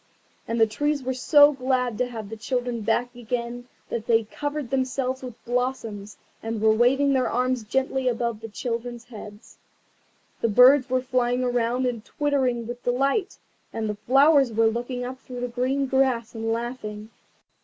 And the trees were so glad to have the children back again that they had covered themselves with blossoms, and were waving their arms gently above the children's heads. The birds were flying about and twittering with delight, and the flowers were looking up through the green grass and laughing.